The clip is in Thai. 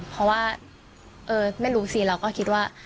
เพราะว่าไม่รู้สิเราก็คิดว่า